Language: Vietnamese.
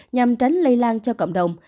nhằm tránh lây lan cho cộng đồng